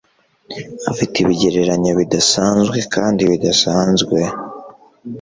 afite ibigereranyo bidasanzwe kandi bidasanzwe